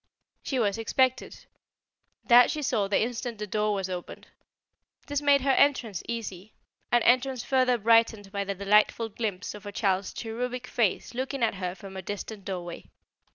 She was expected; that she saw the instant the door was opened. This made her entrance easy an entrance further brightened by the delightful glimpse of a child's cherubic face looking at her from a distant doorway.